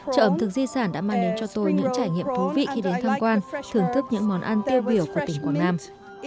chợ ẩm thực di sản đã mang đến cho tôi những trải nghiệm thú vị khi đến tham quan thưởng thức những món ăn tiêu biểu của tỉnh quảng nam